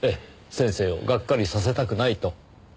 先生をがっかりさせたくないと。